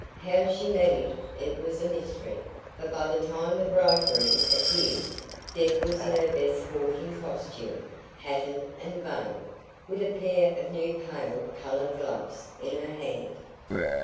How she managed it was a mystery, but by the time the bridegroom appeared, Deb was in her best walking costume, hatted and veiled, with a pair of new pale coloured gloves in her hand.